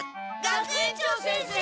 学園長先生。